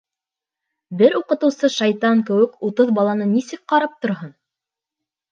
Бер уҡытыусы шайтан кеүек утыҙ баланы нисек ҡарап торһон?